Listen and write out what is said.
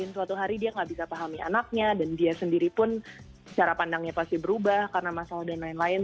dan suatu hari dia gak bisa pahami anaknya dan dia sendiri pun cara pandangnya pasti berubah karena masalah dan lain lain